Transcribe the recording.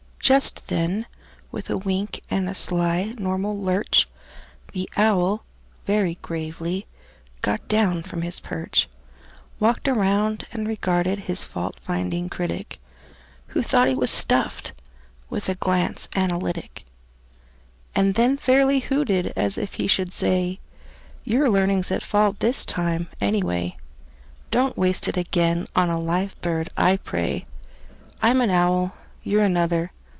Just then, with a wink and a sly normal lurch, The owl, very gravely, got down from his perch, Walked round, and regarded his fault finding critic (Who thought he was stuffed) with a glance analytic, And then fairly hooted, as if he should say: "Your learning's at fault this time, any way; Don't waste it again on a live bird, I pray. I'm an owl; you're another.